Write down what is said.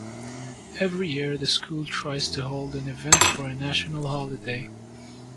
Every year, the school tries to hold an event for a national holiday.